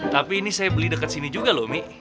tapi ini saya beli dekat sini juga loh umi